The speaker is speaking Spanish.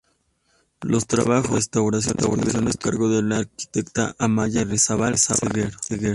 Los trabajos de restauración estuvieron a cargo de la arquitecta Amaya Irarrázaval Zegers.